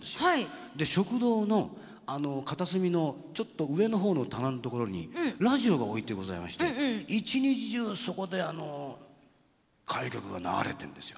で食堂の片隅のちょっと上の方の棚の所にラジオが置いてございまして一日中そこで歌謡曲が流れてんですよ。